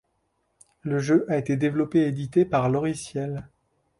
Le jeu a été développé et édité par Loriciel.